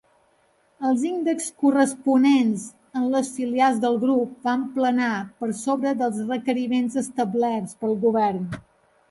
Els índexs corresponents en les filials del Grup van planar per sobre dels requeriments establerts pel govern.